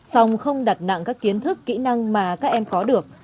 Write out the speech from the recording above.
song không đặt nặng các kiến thức kỹ năng mà các em có được